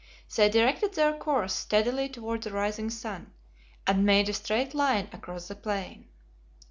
They directed their course steadily toward the rising sun, and made a straight line across the plain.